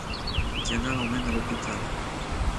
Diana l'emmène à l'hôpital.